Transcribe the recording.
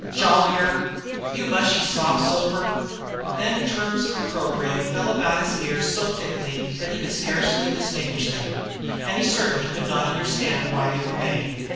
"Jollier!" "You mushy soft soaper!" Then terms of opprobrium fell about his ears so thickly that he could scarcely distinguish them. And he certainly could not understand why they were made.